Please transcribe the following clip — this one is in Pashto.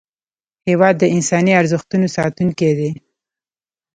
هېواد د انساني ارزښتونو ساتونکی دی.